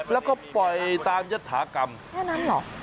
แล้วก็ปล่อยตามยฐากรรมแค่นั้นเหรอ